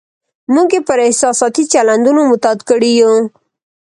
موږ یې پر احساساتي چلندونو معتاد کړي یو.